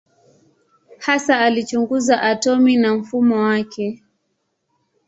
Hasa alichunguza atomu na mfumo wake.